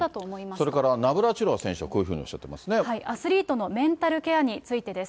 それからナブラチロワ選手はこういうふうにおっしゃっていまアスリートのメンタルケアについてです。